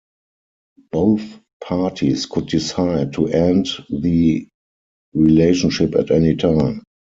Both parties could decide to end the relationship at any time.